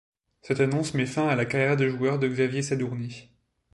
Cette annonce met fin à la carrière de joueur de Xavier Sadourny.